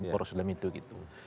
poros islam itu gitu